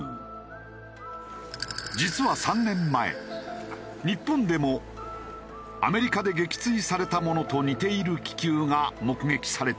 実は３年前日本でもアメリカで撃墜されたものと似ている気球が目撃されていた。